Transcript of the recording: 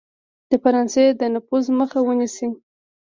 د فرانسې د نفوذ مخه ونیسي.